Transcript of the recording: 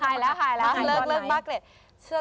หายแล้วหายแล้วเลิกบ้าเกร็ด